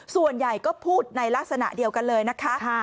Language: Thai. ส่วนใหญ่ก็พูดในลักษณะเดียวกันเลยนะคะ